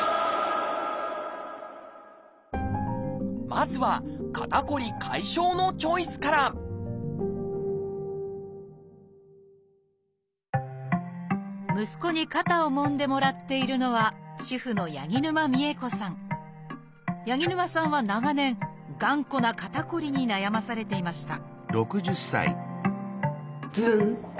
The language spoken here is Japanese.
まずは肩こり解消のチョイスから息子に肩をもんでもらっているのは主婦の八木沼さんは長年頑固な肩こりに悩まされていました